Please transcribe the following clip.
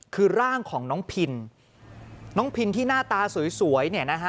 คือร่างของน้องพินน้องพินที่หน้าตาสวยเนี่ยนะฮะ